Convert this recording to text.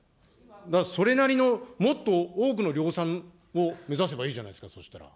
だからそれなりのもっと、多くの量産を目指せばいいじゃないですか、そうしたら。